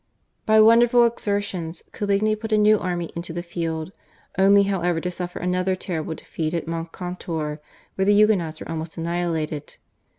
By wonderful exertions Coligny put a new army into the field only however to suffer another terrible defeat at Montcontour, where the Huguenots were almost annihilated.